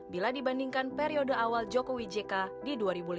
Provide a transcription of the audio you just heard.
bila dibandingkan periode awal jokowi jk di dua ribu lima belas